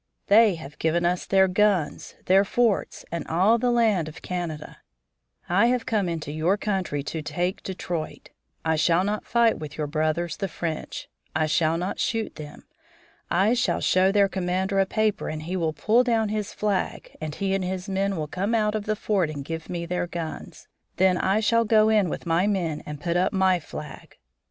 They have given us their guns, their forts, and all the land of Canada. I have come into your country to take Detroit. I shall not fight with your brothers, the French; I shall not shoot them. I shall show their commander a paper and he will pull down his flag and he and his men will come out of the fort and give me their guns. Then I shall go in with my men and put up my flag.